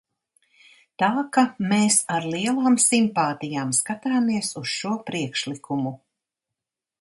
Tā ka mēs ar lielām simpātijām skatāmies uz šo priekšlikumu.